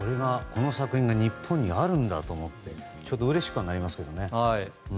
この作品が日本にあるんだと思ったらうれしくなりますけどね。